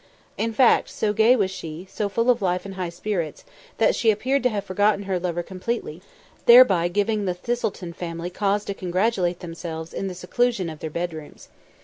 In fact, so gay was she, so full of life and high spirits, that she appeared to have forgotten her lover completely, thereby giving the Thistleton family cause to congratulate themselves in the seclusion of their bedrooms.